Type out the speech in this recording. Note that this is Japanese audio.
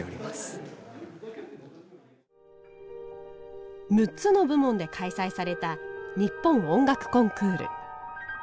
やっぱり６つの部門で開催された日本音楽コンクール。